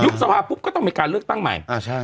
ยุบสะพาปุ๊บก็ต้องมีการเลือกตั้งใหม่อ่าใช่ฮะ